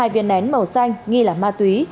hai viên nén màu xanh nghi là ma túy